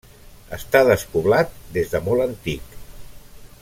Està despoblat des de molt antic.